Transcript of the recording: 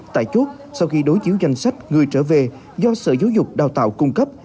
tại chốt sau khi đối chiếu danh sách người trở về do sở giáo dục đào tạo cung cấp